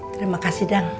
terima kasih dang